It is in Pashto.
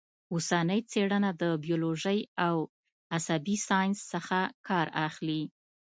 اوسنۍ څېړنه د بیولوژۍ او عصبي ساینس څخه کار اخلي